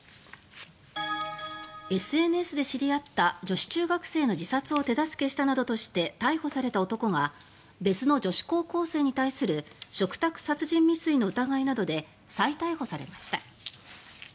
ＳＮＳで知り合った女子中学生の自殺を手助けしたなどとして逮捕された男が別の女子高校生に対する嘱託殺人未遂の疑いなどで再逮捕されました。